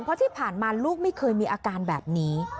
เพราะที่ผ่านมาลูกไม่เคยมีอาการแบบนี้